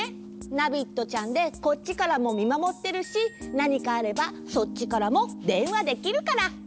ナビットちゃんでこっちからもみまもってるしなにかあればそっちからもでんわできるから。